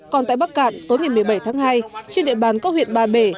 còn tại bắc cạn tối ngày một mươi bảy tháng hai trên địa bàn có huyện ba bể